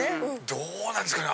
どうなんですかね？